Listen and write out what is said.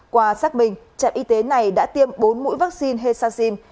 qua xác minh trạng y tế này đã tiêm bốn mũi vaccine hesacin